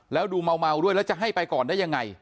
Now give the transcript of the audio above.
แล้วดูเมาด้วยแล้วจะให้ไปก่อนได้ยังไง